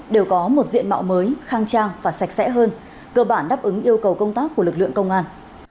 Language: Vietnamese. đều có một diện mạo mới khang trang và sạch sẽ hơn cơ bản đáp ứng yêu cầu công tác của lực lượng công an